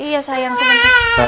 iya sayang sebentar